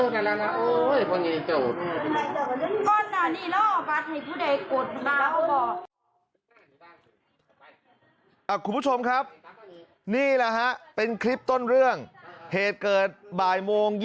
คุณผู้ชมครับนี่แหละฮะเป็นคลิปต้นเรื่องเหตุเกิดบ่ายโมง